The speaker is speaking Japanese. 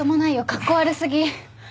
カッコ悪過ぎ。